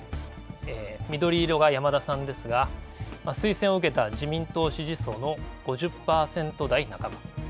緑色が山田さんですが、推薦を受けた自民党支持層の５０％台半ば。